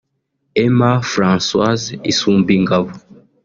Emma Françoise Isumbingabo